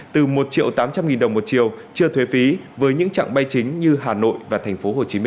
từ một tám trăm linh đồng một chiều chưa thuế phí với những chặng bay chính như hà nội và tp hcm